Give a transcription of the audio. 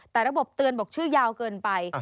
แต่ระบบเตือนบอกชื่อยาวเกินไป